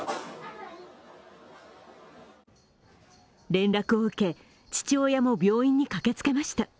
連絡を受け、父親も病院に駆けつけました。